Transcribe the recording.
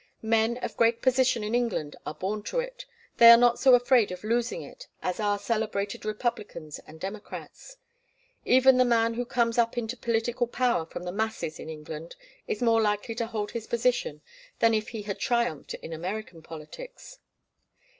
Men of great position in England are born to it; they are not so afraid of losing it as our celebrated Republicans and Democrats. Even the man who comes up into political power from the masses in England is more likely to hold his position than if he had triumphed in American politics.